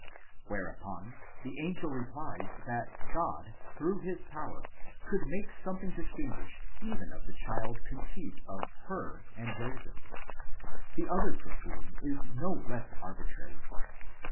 whereupon the angel replies, that God, through his power, could make some thing distinguished even of the child conceived of her and Joseph.? The other proceeding is no less arbitrary.